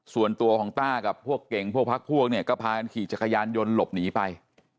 ส่วนตัวของต้ากับพวกเก่งพวกพักพวกเนี่ยก็พากันขี่จักรยานยนต์หลบหนีไป